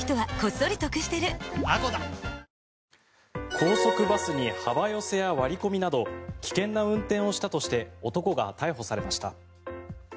高速バスに幅寄せや割り込みなど危険な運転をしたとして男が逮捕されました。